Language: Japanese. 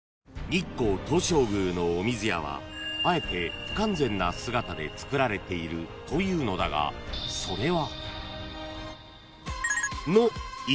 ［日光東照宮の御水舎はあえて不完全な姿でつくられているというのだがそれは］